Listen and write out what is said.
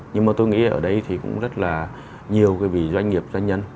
nhưng mà tôi nghĩ ở đây thì cũng rất là nhiều doanh nghiệp doanh nhân